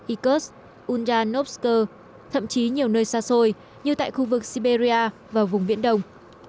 icos udanovsk thậm chí nhiều nơi xa xôi như tại khu vực siberia và vùng viện đông